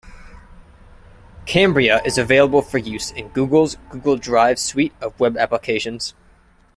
Cambria is available for use in Google's Google Drive suite of web applications.